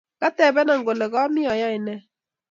Katebenaa kole kami ayae ne?